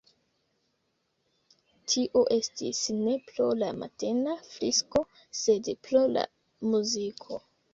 Tio estis ne pro la matena frisko, sed pro la muziko.